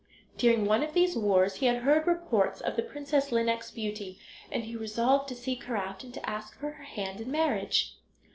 During one of these wars he had heard reports of the Princess Lineik's beauty, and he resolved to seek her out, and to ask for her hand in marriage.